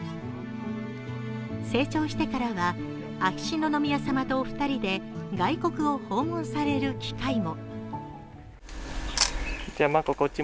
成長してからは秋篠宮さまとお二人で外国を訪問される機会も。